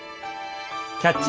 「キャッチ！